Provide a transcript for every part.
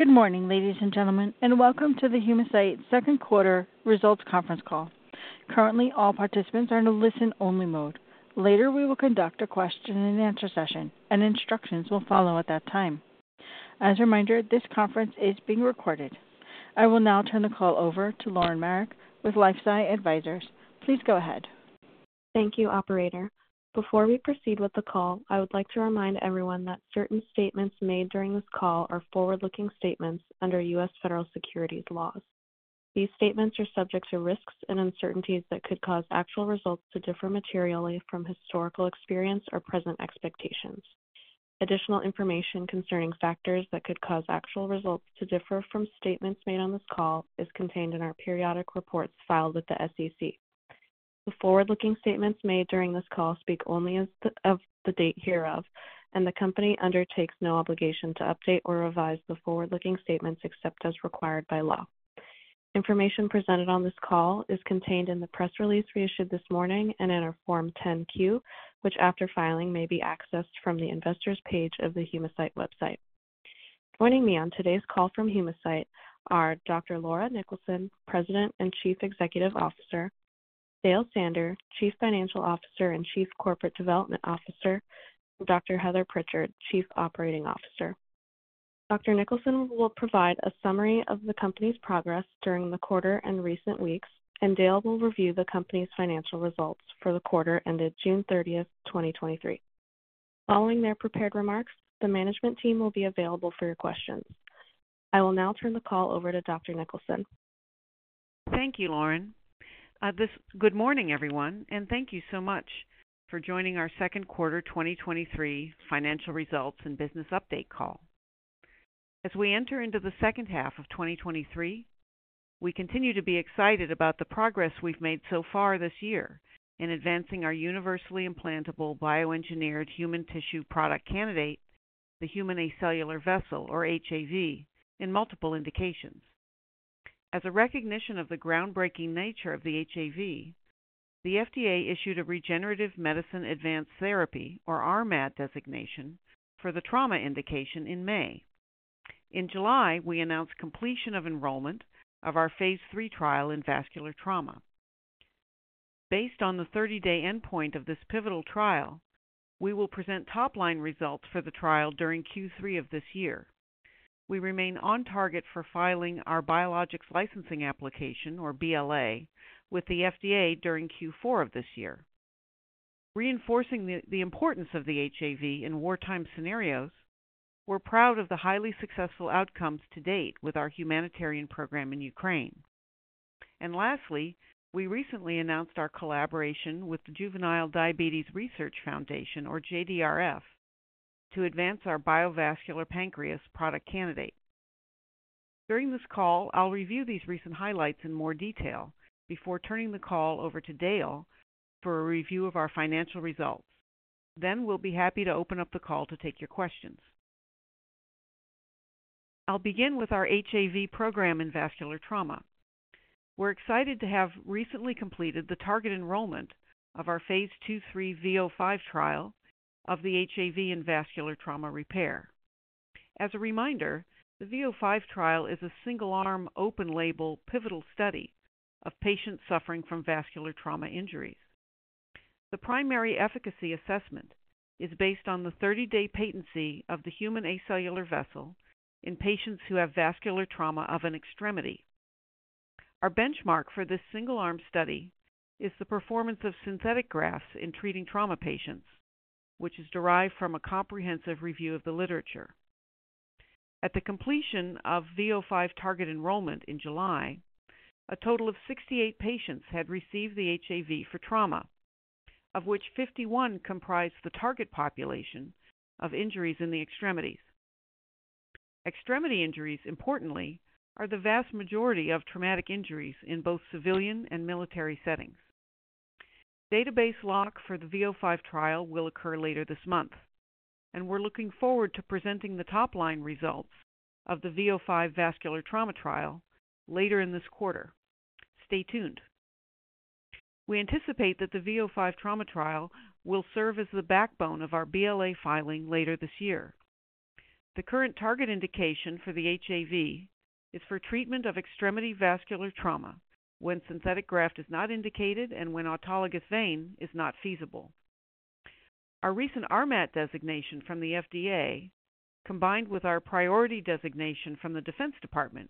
Good morning, ladies and gentlemen, and welcome to the Humacyte Second Quarter Results conference call. Currently, all participants are in a listen-only mode. Later, we will conduct a question-and-answer session, and instructions will follow at that time. As a reminder, this conference is being recorded. I will now turn the call over to Lauren Marek with LifeSci Advisors. Please go ahead. Thank you, Operator. Before we proceed with the call, I would like to remind everyone that certain statements made during this call are forward-looking statements under U.S. federal securities laws. These statements are subject to risks and uncertainties that could cause actual results to differ materially from historical experience or present expectations. Additional information concerning factors that could cause actual results to differ from statements made on this call is contained in our periodic reports filed with the SEC. The forward-looking statements made during this call speak only as of the date hereof, and the Company undertakes no obligation to update or revise the forward-looking statements except as required by law. Information presented on this call is contained in the press release we issued this morning and in our Form 10-Q, which, after filing, may be accessed from the Investors page of the Humacyte website. Joining me on today's call from Humacyte are Dr. Laura Niklason, President and Chief Executive Officer; Dale Sander, Chief Financial Officer and Chief Corporate Development Officer; and Dr. Heather Prichard, Chief Operating Officer. Dr. Niklason will provide a summary of the company's progress during the quarter and recent weeks, and Dale will review the company's financial results for the quarter ended June 30, 2023. Following their prepared remarks, the management team will be available for your questions. I will now turn the call over to Dr. Niklason. Thank you, Lauren. Good morning, everyone, and thank you so much for joining our second quarter 2023 financial results and business update call. As we enter into the second half of 2023, we continue to be excited about the progress we've made so far this year in advancing our universally implantable bioengineered human tissue product candidate, the Human Acellular Vessel, or HAV, in multiple indications. As a recognition of the groundbreaking nature of the HAV, the FDA issued a Regenerative Medicine Advanced Therapy, or RMAT, designation for the trauma indication in May. In July, we announced completion of enrollment of our phase III trial in vascular trauma. Based on the 30 day endpoint of this pivotal trial, we will present top-line results for the trial during Q3 of this year. We remain on target for filing our Biologics License Application, or BLA, with the FDA during Q4 of this year. Reinforcing the, the importance of the HAV in wartime scenarios, we're proud of the highly successful outcomes to date with our humanitarian program in Ukraine. Lastly, we recently announced our collaboration with the Juvenile Diabetes Research Foundation, or JDRF, to advance our Biovascular Pancreas product candidate. During this call, I'll review these recent highlights in more detail before turning the call over to Dale for a review of our financial results. We'll be happy to open up the call to take your questions. I'll begin with our HAV program in vascular trauma. We're excited to have recently completed the target enrollment of our phase II /III V005 trial of the HAV in vascular trauma repair. As a reminder, the V005 trial is a single-arm, open-label, pivotal study of patients suffering from vascular trauma injuries. The primary efficacy assessment is based on the 30 day patency of the Human Acellular Vessel in patients who have vascular trauma of an extremity. Our benchmark for this single-arm study is the performance of synthetic grafts in treating trauma patients, which is derived from a comprehensive review of the literature. At the completion of V005 target enrollment in July, a total of 68 patients had received the HAV for trauma, of which 51 comprised the target population of injuries in the extremities. Extremity injuries, importantly, are the vast majority of traumatic injuries in both civilian and military settings. Database lock for the V005 trial will occur later this month, and we're looking forward to presenting the top-line results of the V005 vascular trauma trial later in this quarter. Stay tuned. We anticipate that the V005 trauma trial will serve as the backbone of our BLA filing later this year. The current target indication for the HAV is for treatment of extremity vascular trauma when synthetic graft is not indicated and when autologous vein is not feasible. Our recent RMAT designation from the FDA, combined with our priority designation from the Defense Department,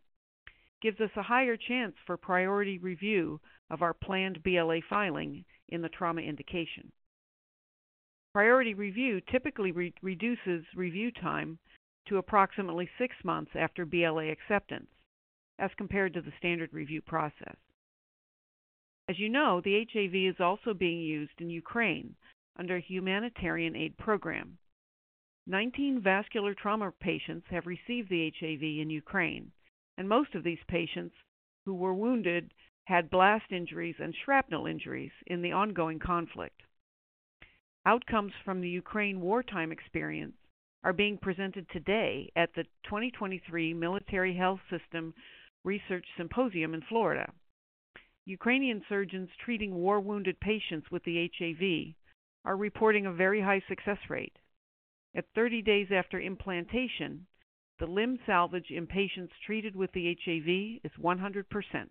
gives us a higher chance for priority review of our planned BLA filing in the trauma indication. Priority review typically reduces review time to approximately six months after BLA acceptance as compared to the standard review process. As you know, the HAV is also being used in Ukraine under a humanitarian aid program. 19 vascular trauma patients have received the HAV in Ukraine, and most of these patients who were wounded had blast injuries and shrapnel injuries in the ongoing conflict. Outcomes from the Ukraine wartime experience are being presented today at the 2023 Military Health System Research Symposium in Florida. Ukrainian surgeons treating war-wounded patients with the HAV are reporting a very high success rate. At 30 days after implantation, the limb salvage in patients treated with the HAV is 100%.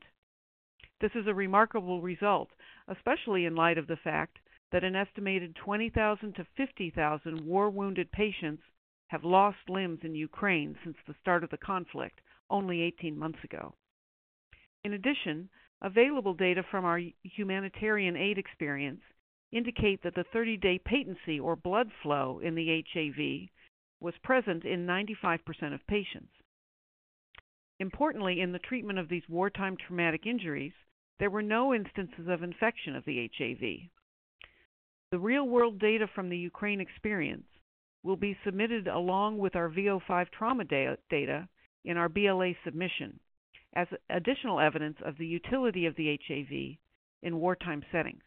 This is a remarkable result, especially in light of the fact that an estimated 20,000-50,000 war-wounded patients have lost limbs in Ukraine since the start of the conflict only 18 months ago. In addition, available data from our humanitarian aid experience indicate that the 30 day patency or blood flow in the HAV was present in 95% of patients. Importantly, in the treatment of these wartime traumatic injuries, there were no instances of infection of the HAV. The real-world data from the Ukraine experience will be submitted along with our V005 trauma data in our BLA submission as additional evidence of the utility of the HAV in wartime settings.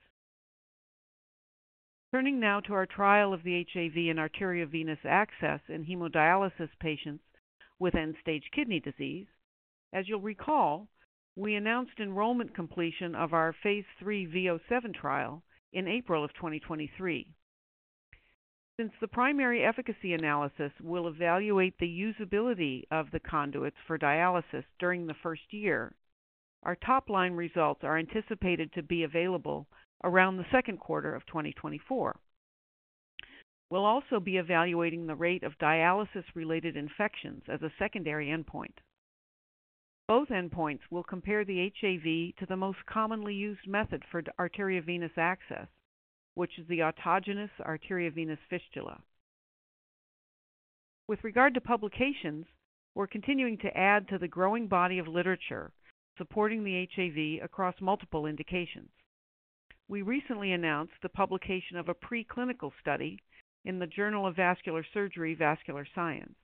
Turning now to our trial of the HAV and arteriovenous access in hemodialysis patients with end-stage kidney disease. As you'll recall, we announced enrollment completion of our Phase III V007 trial in April 2023. Since the primary efficacy analysis will evaluate the usability of the conduits for dialysis during the first year, our top-line results are anticipated to be available around the second quarter 2024. We'll also be evaluating the rate of dialysis-related infections as a secondary endpoint. Both endpoints will compare the HAV to the most commonly used method for arteriovenous access, which is the autogenous arteriovenous fistula. With regard to publications, we're continuing to add to the growing body of literature supporting the HAV across multiple indications. We recently announced the publication of a preclinical study in the Journal of Vascular Surgery - Vascular Science,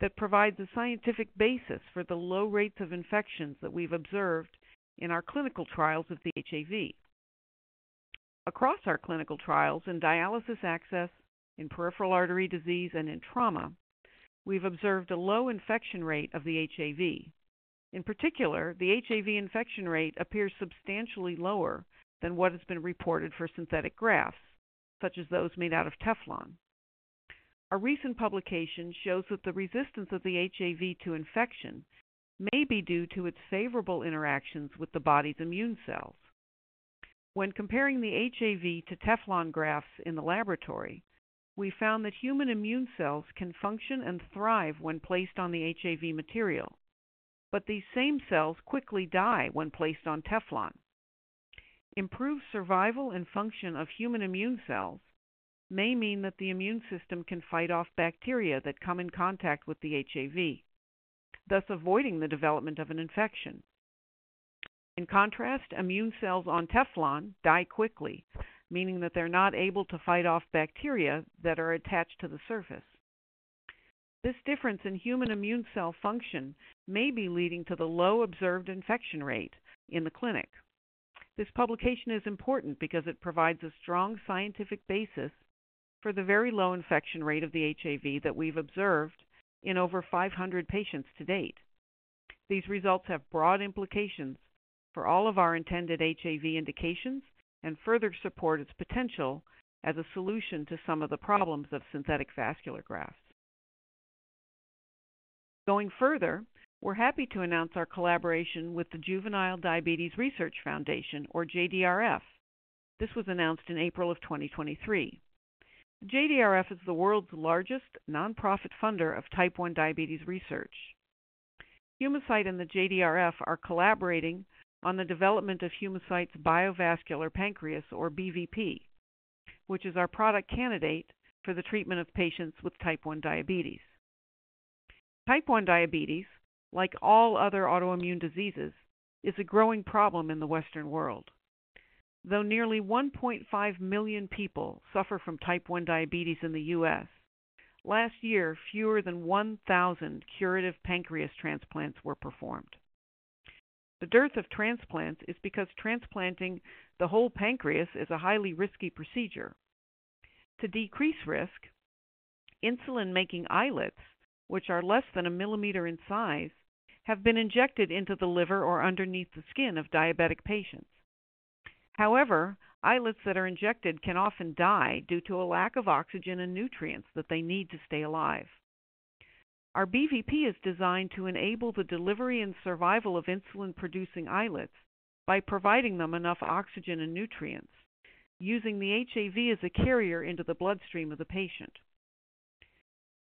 that provides a scientific basis for the low rates of infections that we've observed in our clinical trials of the HAV. Across our clinical trials in dialysis access, in peripheral artery disease, and in trauma, we've observed a low infection rate of the HAV. In particular, the HAV infection rate appears substantially lower than what has been reported for synthetic grafts, such as those made out of Teflon. A recent publication shows that the resistance of the HAV to infection may be due to its favorable interactions with the body's immune cells. When comparing the HAV to Teflon grafts in the laboratory, we found that human immune cells can function and thrive when placed on the HAV material, but these same cells quickly die when placed on Teflon. Improved survival and function of human immune cells may mean that the immune system can fight off bacteria that come in contact with the HAV, thus avoiding the development of an infection. In contrast, immune cells on Teflon die quickly, meaning that they're not able to fight off bacteria that are attached to the surface. This difference in human immune cell function may be leading to the low observed infection rate in the clinic. This publication is important because it provides a strong scientific basis for the very low infection rate of the HAV that we've observed in over 500 patients to date. These results have broad implications for all of our intended HAV indications and further support its potential as a solution to some of the problems of synthetic vascular grafts. Going further, we're happy to announce our collaboration with the Juvenile Diabetes Research Foundation, or JDRF. This was announced in April of 2023. JDRF is the world's largest nonprofit funder of Type 1 diabetes research. Humacyte and the JDRF are collaborating on the development of Humacyte's Biovascular Pancreas, or BVP, which is our product candidate for the treatment of patients with Type 1 diabetes. Type 1 diabetes, like all other autoimmune diseases, is a growing problem in the Western world. Though nearly 1.5 million people suffer from Type 1 diabetes in the U.S., last year, fewer than 1,000 curative pancreas transplants were performed. The dearth of transplants is because transplanting the whole pancreas is a highly risky procedure. To decrease risk, insulin-making islets, which are less than 1 mm in size, have been injected into the liver or underneath the skin of diabetic patients. However, islets that are injected can often die due to a lack of oxygen and nutrients that they need to stay alive. Our BVP is designed to enable the delivery and survival of insulin-producing islets by providing them enough oxygen and nutrients, using the HAV as a carrier into the bloodstream of the patient.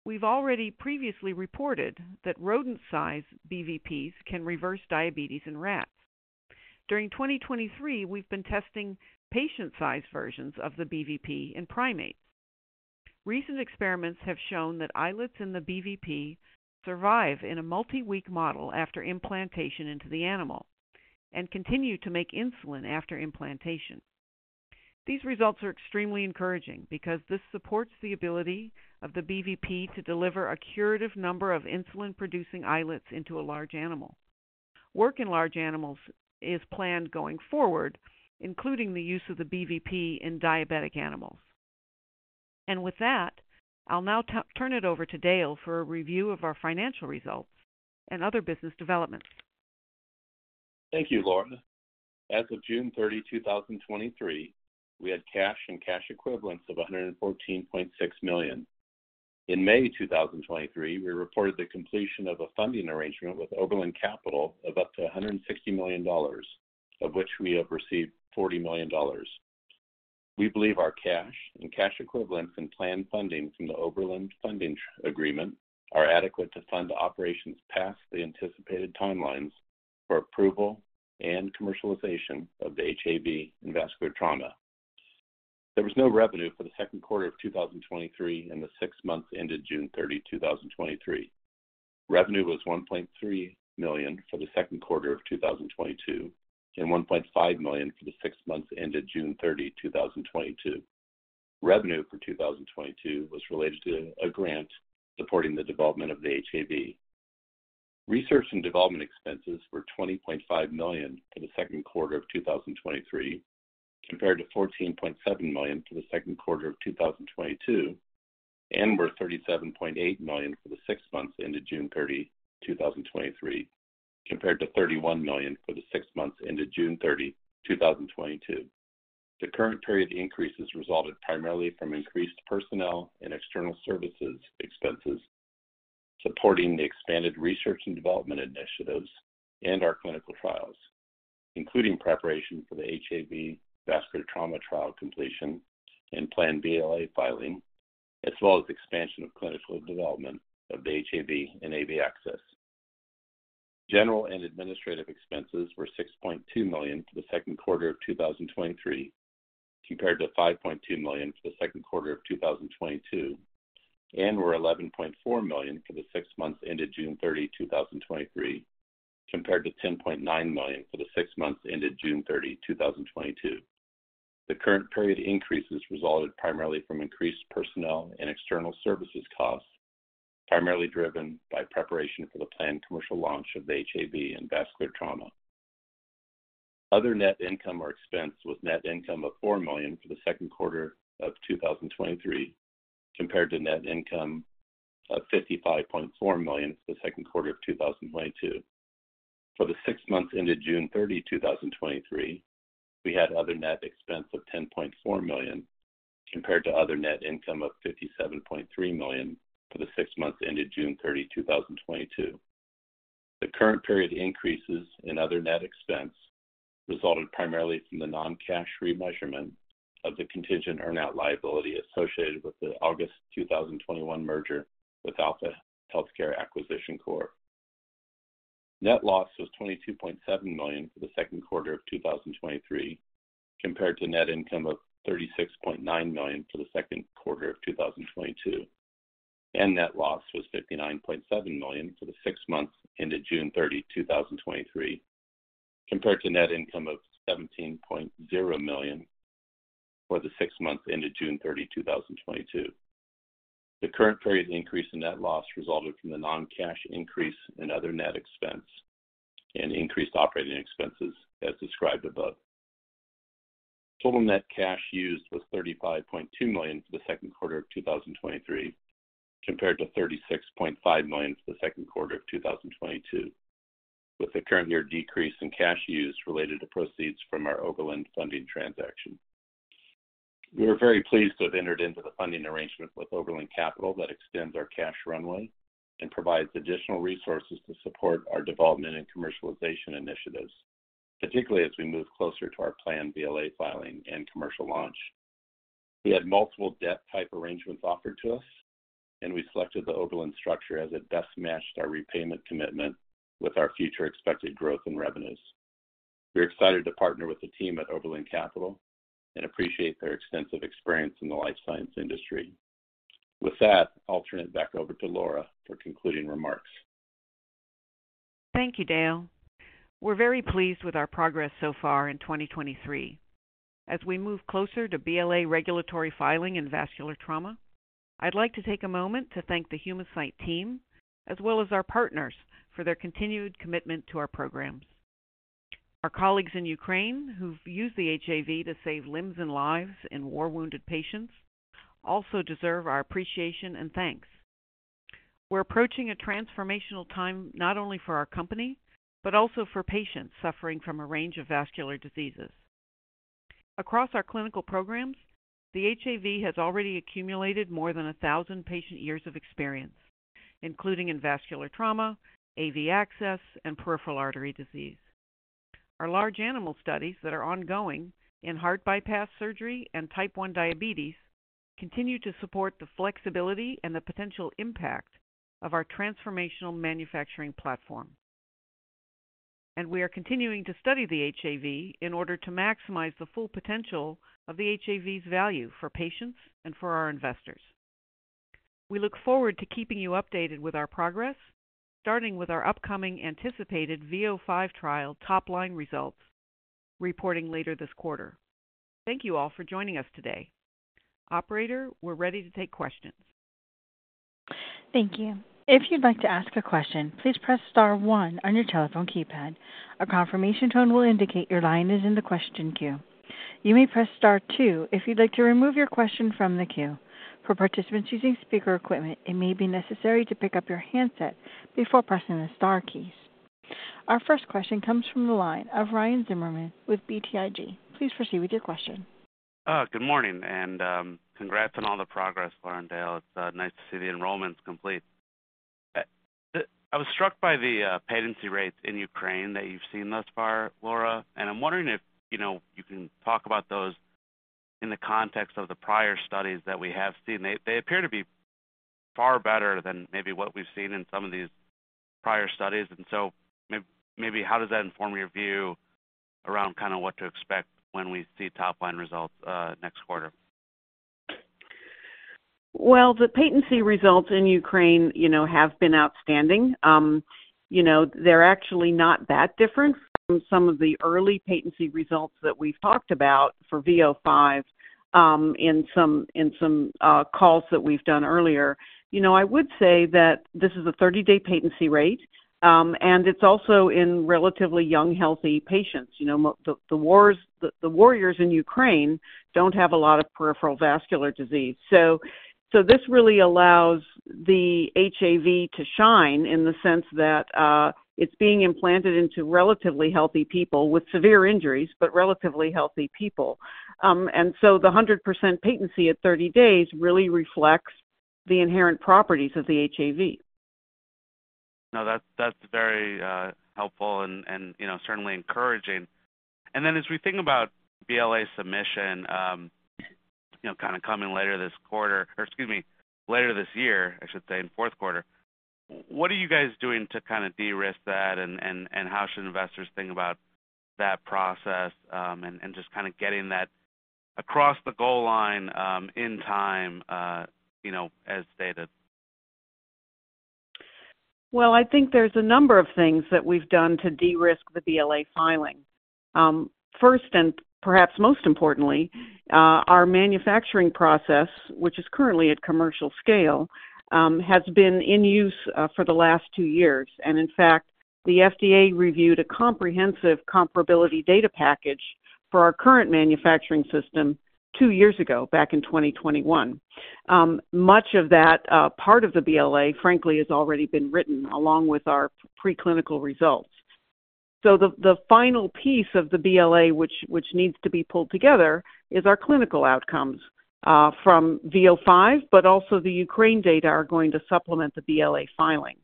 We've already previously reported that rodent-sized BVPs can reverse diabetes in rats. During 2023, we've been testing patient-sized versions of the BVP in primates. Recent experiments have shown that islets in the BVP survive in a multi-week model after implantation into the animal and continue to make insulin after implantation. These results are extremely encouraging because this supports the ability of the BVP to deliver a curative number of insulin-producing islets into a large animal. Work in large animals is planned going forward, including the use of the BVP in diabetic animals. With that, I'll now turn it over to Dale for a review of our financial results and other business developments. Thank you, Laura. As of June 30, 2023, we had cash and cash equivalents of $114.6 million. In May 2023, we reported the completion of a funding arrangement with Oberland Capital of up to $160 million, of which we have received $40 million. We believe our cash and cash equivalents and planned funding from the Oberland funding agreement are adequate to fund operations past the anticipated timelines for approval and commercialization of the HAV and vascular trauma. There was no revenue for the second quarter of 2023 and the six months ended June 30, 2023. Revenue was $1.3 million for the second quarter of 2022, and $1.5 million for the six months ended June 30, 2022. Revenue for 2022 was related to a grant supporting the development of the HAV. Research and development expenses were $20.5 million for the second quarter of 2023, compared to $14.7 million for the second quarter of 2022, and were $37.8 million for the six months ended June 30, 2023, compared to $31 million for the six months ended June 30, 2022. The current period increases resulted primarily from increased personnel and external services expenses, supporting the expanded research and development initiatives and our clinical trials, including preparation for the HAV vascular trauma trial completion and planned BLA filing, as well as expansion of clinical development of the HAV and AV access. General and administrative expenses were $6.2 million for the second quarter of 2023, compared to $5.2 million for the second quarter of 2022, and were $11.4 million for the six months ended June 30, 2023, compared to $10.9 million for the six months ended June 30, 2022. The current period increases resulted primarily from increased personnel and external services costs, primarily driven by preparation for the planned commercial launch of the HAV and vascular trauma. Other net income or expense was net income of $4 million for the second quarter of 2023, compared to net income of $55.4 million for the second quarter of 2022. For the six months ended June 30, 2023, we had other net expense of $10.4 million, compared to other net income of $57.3 million for the six months ended June 30, 2022. The current period increases in other net expense resulted primarily from the non-cash remeasurement of the contingent earn-out liability associated with the August 2021 merger with Alpha Healthcare Acquisition Corp. Net loss was $22.7 million for the second quarter of 2023, compared to net income of $36.9 million for the second quarter of 2022. Net loss was $59.7 million for the six months ended June 30, 2023, compared to net income of $17.0 million for the six months ended June 30, 2022. The current period increase in net loss resulted from the non-cash increase in other net expense and increased operating expenses as described above. Total net cash used was $35.2 million for the second quarter of 2023, compared to $36.5 million for the second quarter of 2022, with the current year decrease in cash use related to proceeds from our Oberland funding transaction. We are very pleased to have entered into the funding arrangement with Oberland Capital that extends our cash runway and provides additional resources to support our development and commercialization initiatives, particularly as we move closer to our planned BLA filing and commercial launch. We had multiple debt type arrangements offered to us. We selected the Oberland structure as it best matched our repayment commitment with our future expected growth and revenues. We're excited to partner with the team at Oberland Capital and appreciate their extensive experience in the life science industry. With that, I'll turn it back over to Laura for concluding remarks. Thank you, Dale. We're very pleased with our progress so far in 2023. As we move closer to BLA regulatory filing and vascular trauma, I'd like to take a moment to thank the Humacyte team, as well as our partners for their continued commitment to our programs. Our colleagues in Ukraine, who've used the HAV to save limbs and lives in war wounded patients, also deserve our appreciation and thanks. We're approaching a transformational time not only for our company, but also for patients suffering from a range of vascular diseases. Across our clinical programs, the HAV has already accumulated more than 1,000 patient-years of experience, including in vascular trauma, AV access, and peripheral artery disease. Our large animal studies that are ongoing in heart bypass surgery and Type 1 diabetes continue to support the flexibility and the potential impact of our transformational manufacturing platform. We are continuing to study the HAV in order to maximize the full potential of the HAV's value for patients and for our investors. We look forward to keeping you updated with our progress, starting with our upcoming anticipated V005 trial top-line results, reporting later this quarter. Thank you all for joining us today. Operator, we're ready to take questions. Thank you. If you'd like to ask a question, please press star one on your telephone keypad. A confirmation tone will indicate your line is in the question queue. You may press star two if you'd like to remove your question from the queue. For participants using speaker equipment, it may be necessary to pick up your handset before pressing the star keys. Our first question comes from the line of Ryan Zimmerman with BTIG. Please proceed with your question. Good morning, and congrats on all the progress, Laura and Dale. It's nice to see the enrollments complete. I was struck by the patency rates in Ukraine that you've seen thus far, Laura, and I'm wondering if, you know, you can talk about those in the context of the prior studies that we have seen. They appear to be far better than maybe what we've seen in some of these prior studies. How does that inform your view around kind of what to expect when we see top-line results next quarter? Well, the patency results in Ukraine, you know, have been outstanding. You know, they're actually not that different from some of the early patency results that we've talked about for V005 in some, in some calls that we've done earlier. You know, I would say that this is a 30 day patency rate, and it's also in relatively young, healthy patients. You know, the warriors in Ukraine don't have a lot of peripheral vascular disease. This really allows the HAV to shine in the sense that it's being implanted into relatively healthy people with severe injuries, but relatively healthy people. The 100% patency at 30 days really reflects the inherent properties of the HAV. Now, that's, that's very helpful and, and, you know, certainly encouraging. As we think about BLA submission, you know, kind of coming later this quarter, or excuse me, later this year, I should say, in the fourth quarter, what are you guys doing to kind of de-risk that, and, and, and how should investors think about that process, and, and just kind of getting that across the goal line, in time, you know, as stated? Well, I think there's a number of things that we've done to de-risk the BLA filing. First, and perhaps most importantly, our manufacturing process, which is currently at commercial scale, has been in use for the last two years. In fact, the FDA reviewed a comprehensive comparability data package for our current manufacturing system two years ago, back in 2021. Much of that part of the BLA, frankly, has already been written along with our preclinical results. The, the final piece of the BLA, which, which needs to be pulled together, is our clinical outcomes from V005, but also the Ukraine data are going to supplement the BLA filing.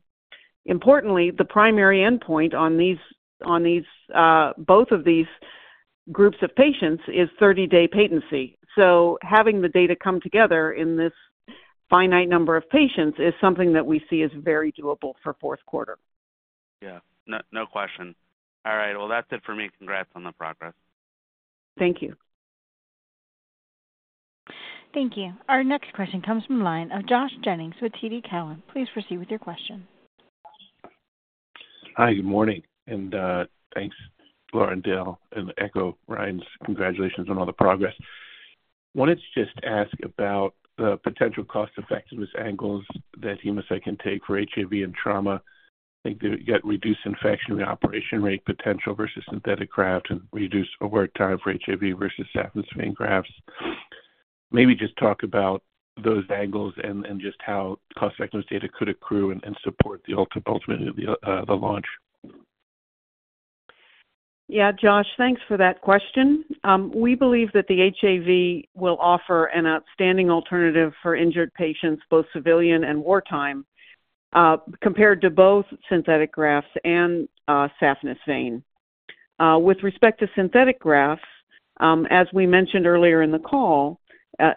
Importantly, the primary endpoint on these, on these, both of these groups of patients is 30 day patency. Having the data come together in this finite number of patients is something that we see as very doable for fourth quarter. Yeah. No, no question. All right, well, that's it for me. Congrats on the progress. Thank you. Thank you. Our next question comes from the line of Josh Jennings with TD Cowen. Please proceed with your question. Hi, good morning, and thanks, Laura and Dale, and echo Ryan's congratulations on all the progress. Wanted to just ask about the potential cost-effectiveness angles that Humacyte can take for HAV and trauma. I think they get reduced infection, reoperation rate potential versus synthetic graft and reduced OR time for HAV versus saphenous vein grafts. Maybe just talk about those angles and just how cost-effectiveness data could accrue and support ultimately, the launch. Yeah, Josh, thanks for that question. We believe that the HAV will offer an outstanding alternative for injured patients, both civilian and wartime, compared to both synthetic grafts and saphenous vein. With respect to synthetic grafts, as we mentioned earlier in the call,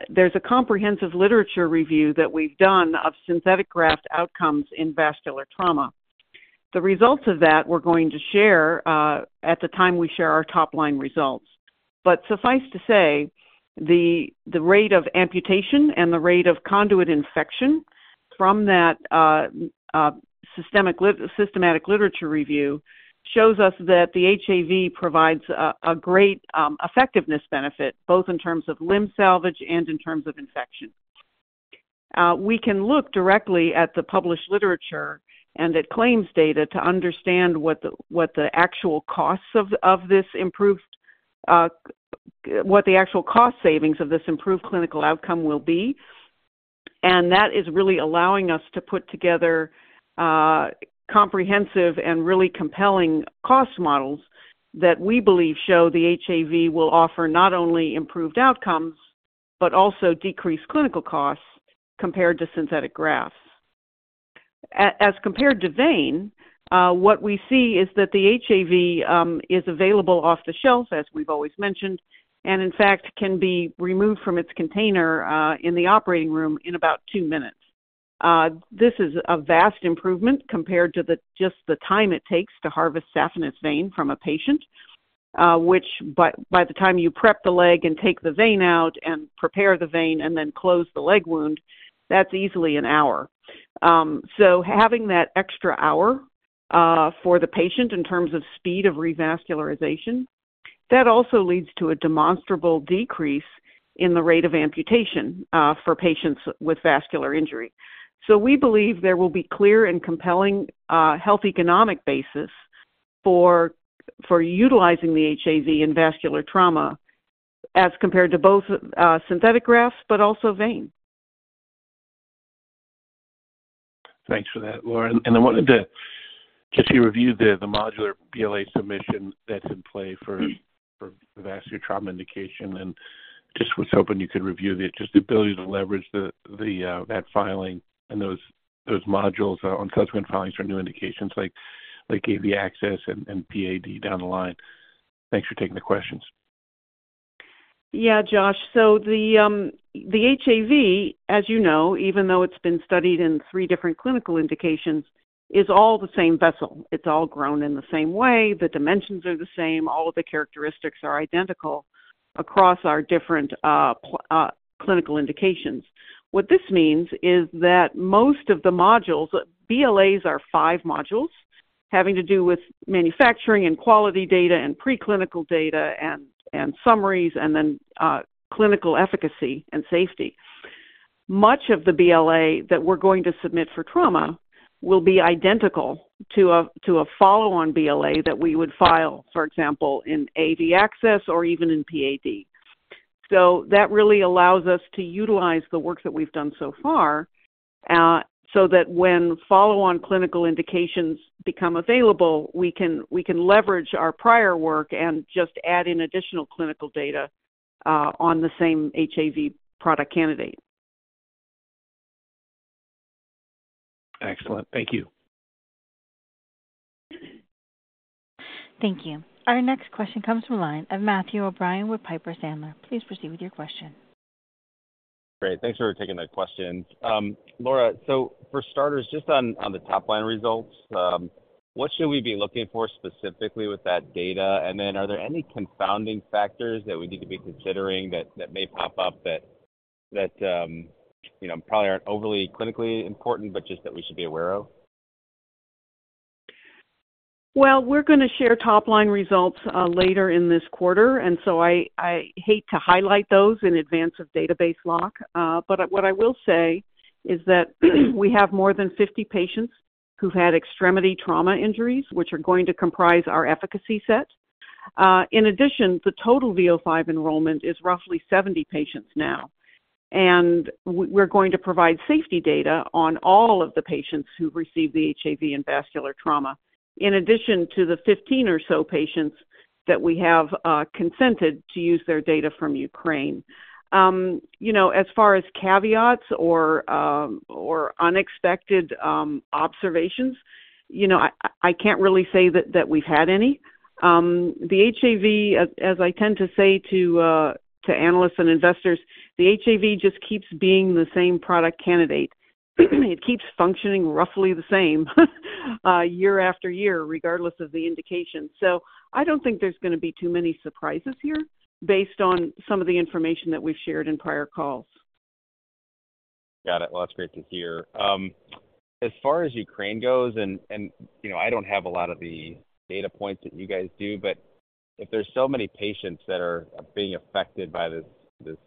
there's a comprehensive literature review that we've done of synthetic graft outcomes in vascular trauma. The results of that we're going to share, at the time we share our top-line results. Suffice to say, the rate of amputation and the rate of conduit infection from that systematic literature review shows us that the HAV provides a great effectiveness benefit, both in terms of limb salvage and in terms of infection. We can look directly at the published literature and at claims data to understand what the, what the actual costs of, of this improved, what the actual cost savings of this improved clinical outcome will be. That is really allowing us to put together comprehensive and really compelling cost models that we believe show the HAV will offer not only improved outcomes, but also decreased clinical costs compared to synthetic grafts. As compared to vein, what we see is that the HAV is available off the shelf, as we've always mentioned, and in fact, can be removed from its container in the operating room in about two minutes. This is a vast improvement compared to the, just the time it takes to harvest saphenous vein from a patient, which by, by the time you prep the leg and take the vein out and prepare the vein and then close the leg wound, that's easily one hour. Having that extra one hour for the patient in terms of speed of revascularization. That also leads to a demonstrable decrease in the rate of amputation for patients with vascular injury. We believe there will be clear and compelling health economic basis for, for utilizing the HAV in vascular trauma as compared to both synthetic grafts but also vein. Thanks for that, Laura. I wanted to just review the, the Modular BLA submission that's in play for, for vascular trauma indication and just was hoping you could review the, just the ability to leverage the, the that filing and those, those modules on subsequent filings for new indications like, like AV access and, and PAD down the line. Thanks for taking the questions. Yeah, Josh. The HAV, as you know, even though it's been studied in three different clinical indications, is all the same vessel. It's all grown in the same way, the dimensions are the same, all of the characteristics are identical across our different clinical indications. What this means is that most of the modules, BLAs are 5 modules having to do with manufacturing and quality data and preclinical data and summaries, and then clinical efficacy and safety. Much of the BLA that we're going to submit for trauma will be identical to a follow-on BLA that we would file, for example, in AV access or even in PAD. That really allows us to utilize the work that we've done so far, so that when follow-on clinical indications become available, we can, we can leverage our prior work and just add in additional clinical data, on the same HAV product candidate. Excellent. Thank you. Thank you. Our next question comes from the line of Matthew O'Brien with Piper Sandler. Please proceed with your question. Great. Thanks for taking the questions. Laura, for starters, just on, on the top-line results, what should we be looking for specifically with that data? Then are there any confounding factors that we need to be considering that, that may pop up that, that, you know, probably aren't overly clinically important, but just that we should be aware of? We're going to share top-line results later in this quarter, and so I hate to highlight those in advance of database lock. What I will say is that we have more than 50 patients who've had extremity trauma injuries, which are going to comprise our efficacy set. In addition, the total V005 enrollment is roughly 70 patients now, and we're going to provide safety data on all of the patients who've received the HAV and vascular trauma, in addition to the 15 or so patients that we have consented to use their data from Ukraine. You know, as far as caveats or unexpected observations, you know, I can't really say that we've had any. The HAV, as, as I tend to say to analysts and investors, the HAV just keeps being the same product candidate. It keeps functioning roughly the same, year after year, regardless of the indication. I don't think there's going to be too many surprises here based on some of the information that we've shared in prior calls. Got it. Well, that's great to hear. As far as Ukraine goes, and, and, you know, I don't have a lot of the data points that you guys do, but if there's so many patients that are being affected by this, this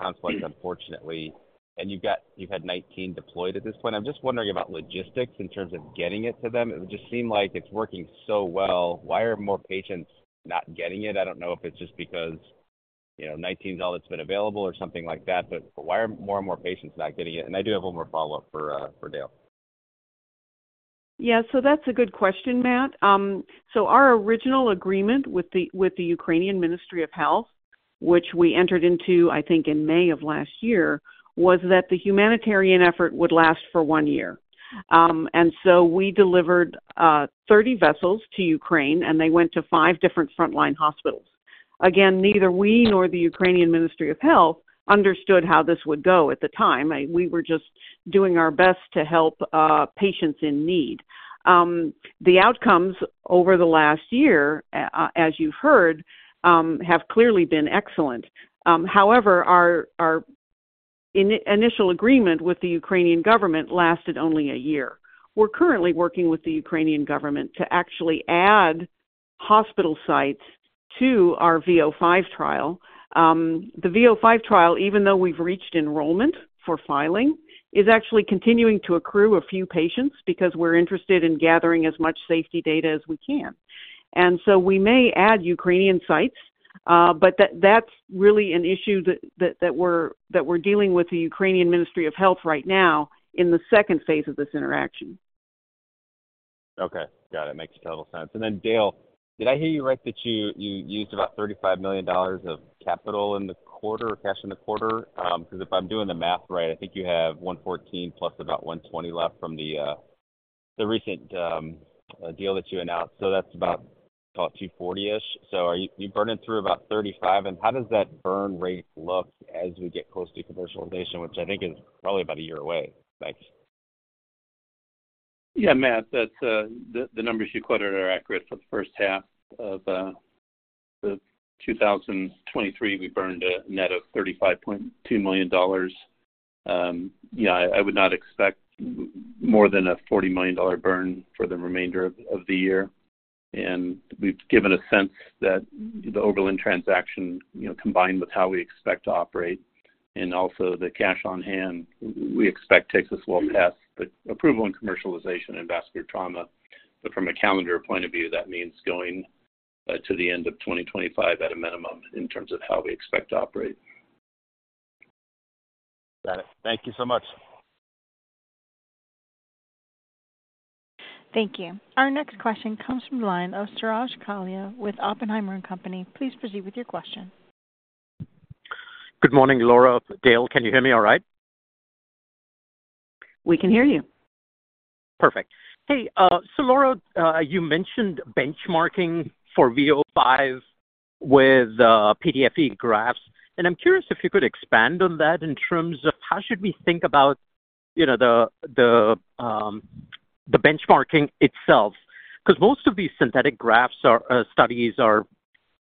conflict, unfortunately, and you've got-- you've had 19 deployed at this point, I'm just wondering about logistics in terms of getting it to them. It just seemed like it's working so well. Why are more patients not getting it? I don't know if it's just because, you know, 19 is all that's been available or something like that, but why are more and more patients not getting it? I do have one more follow-up for, for Dale. Yeah. That's a good question, Matt. Our original agreement with the Ukrainian Ministry of Health, which we entered into, I think, in May of last year, was that the humanitarian effort would last for 1 year. We delivered 30 vessels to Ukraine, and they went to five different frontline hospitals. Again, neither we nor the Ukrainian Ministry of Health understood how this would go at the time. We were just doing our best to help patients in need. The outcomes over the last year, as you've heard, have clearly been excellent. However, our initial agreement with the Ukrainian government lasted only one year. We're currently working with the Ukrainian government to actually add hospital sites to our V005 trial. The V005 trial, even though we've reached enrollment for filing, is actually continuing to accrue a few patients because we're interested in gathering as much safety data as we can. And so we may add Ukrainian sites, but that-that's really an issue that, that, that we're, that we're dealing with the Ukrainian Ministry of Health right now in the phase II of this interaction. Okay. Got it. Makes total sense. Dale, did I hear you right, that you, you used about $35 million of capital in the quarter or cash in the quarter? Because if I'm doing the math right, I think you have 114 plus about 120 left from the recent deal that you announced. That's about, about 240-ish. Are you, you're burning through about 35, and how does that burn rate look as we get closer to commercialization, which I think is probably about a year away? Thanks. Yeah, Matt, that's the, the numbers you quoted are accurate for the first half of the 2023, we burned a net of $35.2 million. Yeah, I would not expect more than a $40 million burn for the remainder of, of the year. We've given a sense that the Oberland transaction, you know, combined with how we expect to operate and also the cash on hand, we expect takes us well past the approval and commercialization in vascular trauma. From a calendar point of view, that means going to the end of 2025 at a minimum in terms of how we expect to operate. Got it. Thank you so much. Thank you. Our next question comes from the line of Suraj Kalia with Oppenheimer and Co. Please proceed with your question. Good morning, Laura, Dale. Can you hear me all right? We can hear you. Perfect. Hey, so Laura, you mentioned benchmarking for V005 with PTFE grafts, and I'm curious if you could expand on that in terms of how should we think about, you know, the, the benchmarking itself? Because most of these synthetic grafts are studies are,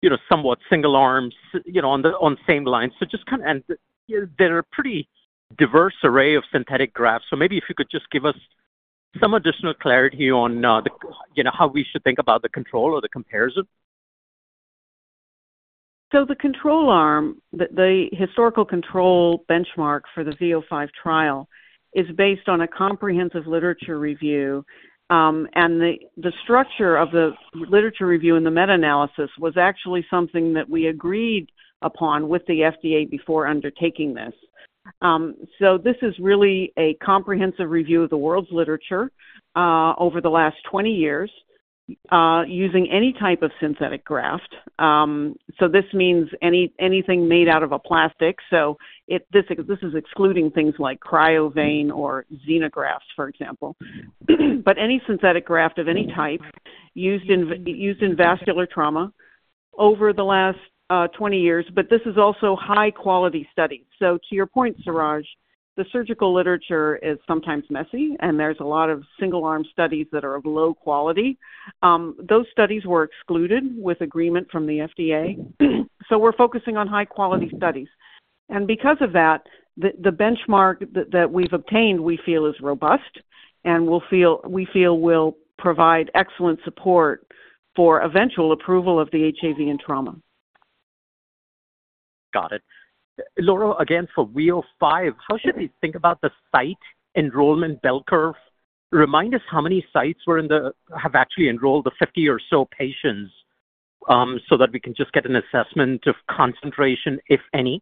you know, somewhat single arms, you know, on the, on the same line. They're a pretty diverse array of synthetic grafts. Maybe if you could just give us some additional clarity on, you know, how we should think about the control or the comparison. The control arm, the, the historical control benchmark for the V005 trial is based on a comprehensive literature review. The, the structure of the literature review and the meta-analysis was actually something that we agreed upon with the FDA before undertaking this. This is really a comprehensive review of the world's literature, over the last 20 years, using any type of synthetic graft. This means anything made out of a plastic. It, this, this is excluding things like CryoVein or xenografts, for example. Any synthetic graft of any type used in, used in vascular trauma over the last, 20 years, but this is also high-quality study. To your point, Suraj, the surgical literature is sometimes messy, and there's a lot of single-arm studies that are of low quality. Those studies were excluded with agreement from the FDA. We're focusing on high-quality studies. Because of that, the benchmark that we've obtained, we feel is robust and we feel will provide excellent support for eventual approval of the HAV in trauma. Got it. Laura, again, for V005, how should we think about the site enrollment bell curve? Remind us how many sites were in the... have actually enrolled the 50 or so patients, so that we can just get an assessment of concentration, if any.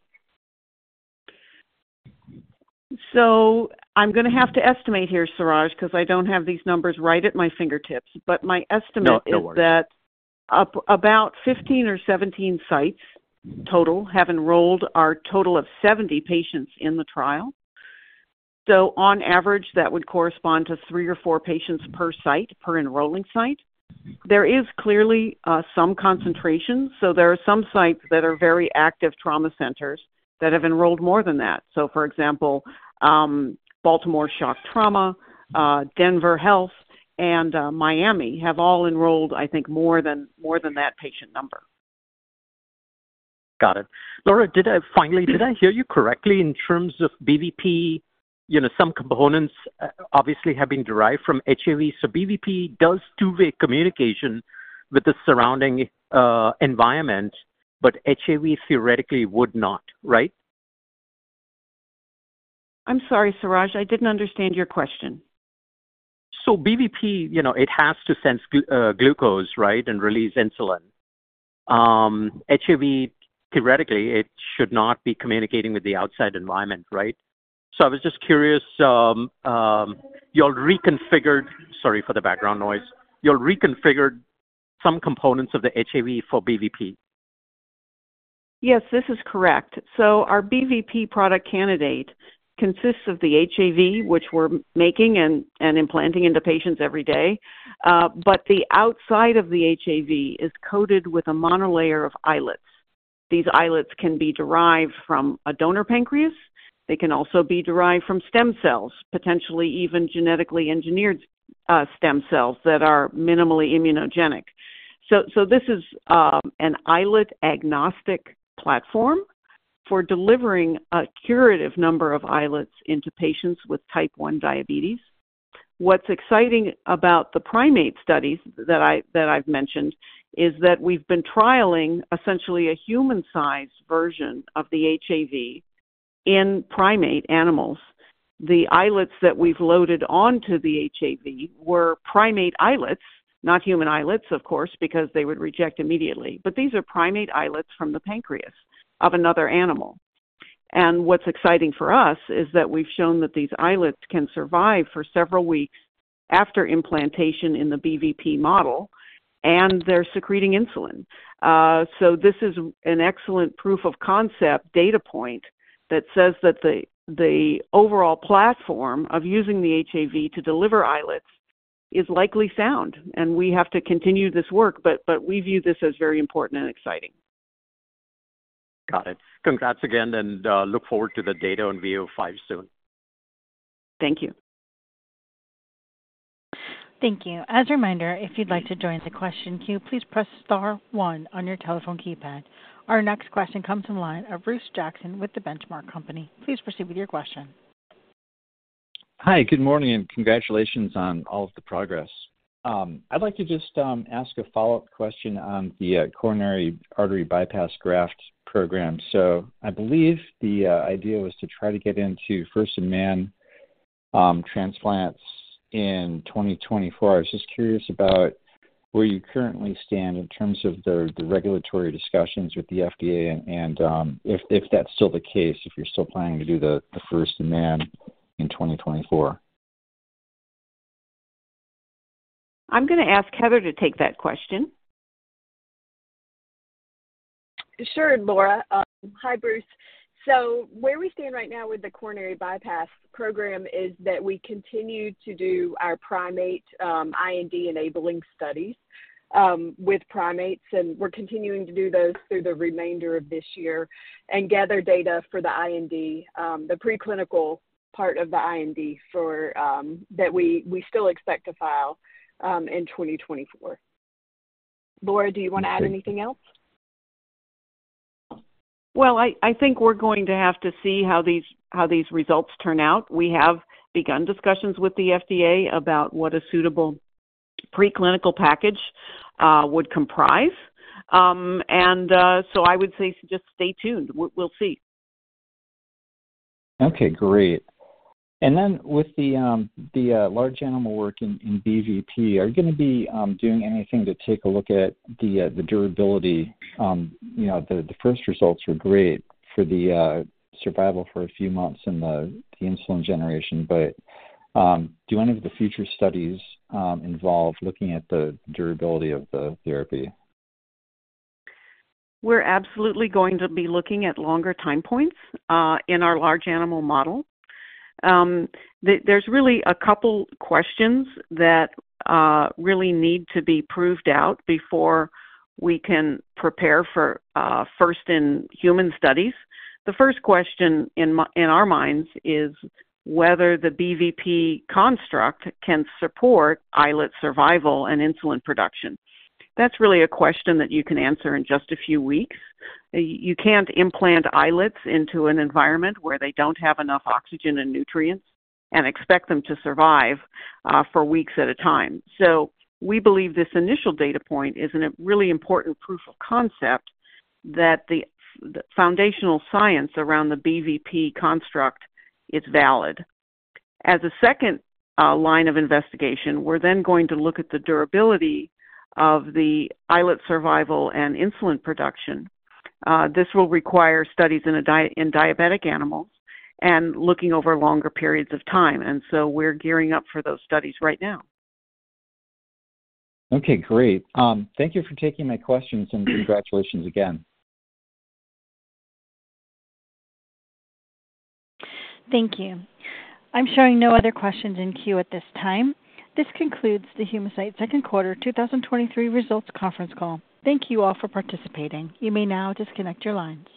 I'm going to have to estimate here, Suraj, because I don't have these numbers right at my fingertips. No, no worries. My estimate is that about 15 or 17 sites total have enrolled our total of 70 patients in the trial. On average, that would correspond to 3 or 4 patients per site, per enrolling site. There is clearly some concentration. There are some sites that are very active trauma centers that have enrolled more than that. For example, Baltimore Shock Trauma, Denver Health, and Miami have all enrolled, I think, more than, more than that patient number. Got it. Laura, did I finally, did I hear you correctly in terms of BVP? You know, some components obviously have been derived from HAV. BVP does two-way communication with the surrounding, environment, but HAV theoretically would not, right? I'm sorry, Suraj, I didn't understand your question. BVP, you know, it has to sense glucose, right? Release insulin. HAV, theoretically, it should not be communicating with the outside environment, right? I was just curious. Sorry for the background noise. You all reconfigured some components of the HAV for BVP. Yes, this is correct. Our BVP product candidate consists of the HAV, which we're making and implanting into patients every day. The outside of the HAV is coated with a monolayer of islets. These islets can be derived from a donor pancreas. They can also be derived from stem cells, potentially even genetically engineered stem cells that are minimally immunogenic. This is an islet agnostic platform for delivering a curative number of islets into patients with Type 1 diabetes. What's exciting about the primate studies that I've mentioned is that we've been trialing essentially a human-sized version of the HAV in primate animals. The islets that we've loaded onto the HAV were primate islets, not human islets, of course, because they would reject immediately. These are primate islets from the pancreas of another animal. What's exciting for us is that we've shown that these islets can survive for several weeks after implantation in the BVP model, and they're secreting insulin. This is an excellent proof of concept data point that says that the, the overall platform of using the HAV to deliver islets is likely sound, and we have to continue this work, but, but we view this as very important and exciting. Got it. Congrats again, and, look forward to the data on V005 soon. Thank you. Thank you. As a reminder, if you'd like to join the question queue, please press star one on your telephone keypad. Our next question comes from the line of Bruce Jackson with The Benchmark Company. Please proceed with your question. Hi, good morning, and congratulations on all of the progress. I'd like to just ask a follow-up question on the coronary artery bypass graft program. I believe the idea was to try to get into first in man transplants in 2024. I was just curious about where you currently stand in terms of the regulatory discussions with the FDA, and if that's still the case, if you're still planning to do the first in man in 2024. I'm going to ask Heather to take that question. Sure, Laura. Hi, Bruce. Where we stand right now with the coronary bypass program is that we continue to do our primate, IND-enabling studies, with primates, and we're continuing to do those through the remainder of this year and gather data for the IND, the preclinical part of the IND for, that we, we still expect to file, in 2024. Laura, do you want to add anything else? Well, I, I think we're going to have to see how these, how these results turn out. We have begun discussions with the FDA about what a suitable preclinical package would comprise. I would say just stay tuned. We, we'll see. Okay, great. With the large animal work in BVP, are you going to be doing anything to take a look at the durability? You know, the first results were great for the survival for a few months and the insulin generation, do any of the future studies involve looking at the durability of the therapy? We're absolutely going to be looking at longer time points in our large animal model. There's really a couple questions that really need to be proved out before we can prepare for first-in-human studies. The first question in our minds is whether the BVP construct can support islet survival and insulin production. That's really a question that you can answer in just a few weeks. You, you can't implant islets into an environment where they don't have enough oxygen and nutrients and expect them to survive for weeks at a time. We believe this initial data point is a really important proof of concept that the foundational science around the BVP construct is valid. As a second line of investigation, we're then going to look at the durability of the islet survival and insulin production. This will require studies in diabetic animals and looking over longer periods of time, and so we're gearing up for those studies right now. Okay, great. Thank you for taking my questions, and congratulations again. Thank you. I'm showing no other questions in queue at this time. This concludes the Humacyte Second Quarter 2023 Results Conference Call. Thank you all for participating. You may now disconnect your lines.